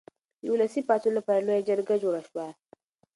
د ولسي پاڅون لپاره لویه جرګه جوړه شوه.